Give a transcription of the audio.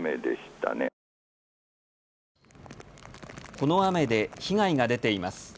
この雨で被害が出ています。